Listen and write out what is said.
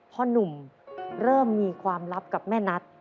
หนุ่มเริ่มมีความลับกับแม่นัท